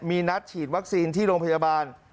มีนัดฉีดวัคซีนที่โรงพยาบาล